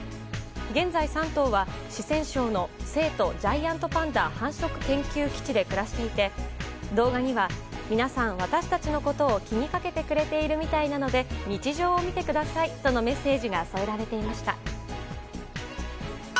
現在、３頭は四川省の成都ジャイアントパンダ繁殖研究基地で暮らしていて動画には、皆さん私たちのことを気にかけてくれているみたいなので日常を見てくださいとのメッセージが添えられていました。